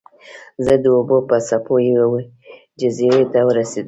زه د اوبو په څپو یوې جزیرې ته ورسیدم.